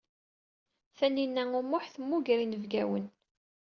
Tinhinan u Muḥ ur temmuger inebgawen.